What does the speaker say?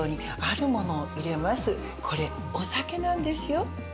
これお酒なんですよ。